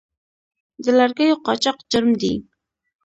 د لرګیو قاچاق جرم دی